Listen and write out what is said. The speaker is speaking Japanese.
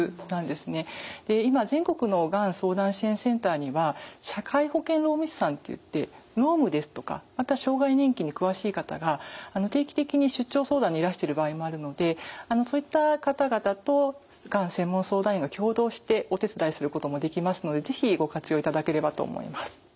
今全国のがん相談支援センターには社会保険労務士さんといって労務ですとかまた障害年金に詳しい方が定期的に出張相談にいらしてる場合もあるのでそういった方々とがん専門相談員が共同してお手伝いすることもできますので是非ご活用いただければと思います。